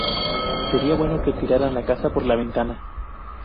Sería bueno que tiraran la casa por la ventana